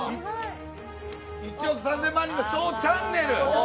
１億３０００万人のＳＨＯＷチャンネル。